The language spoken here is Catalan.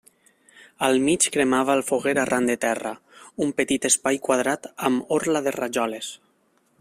Al mig cremava el foguer arran de terra: un petit espai quadrat amb orla de rajoles.